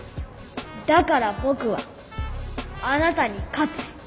だからぼくはあなたに勝つ。